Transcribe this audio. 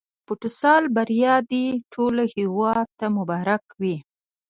د فوتسال بریا دې ټول هېواد ته مبارک وي.